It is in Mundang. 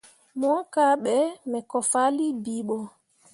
Mo kahɓe me ko fahlii bii ɓo.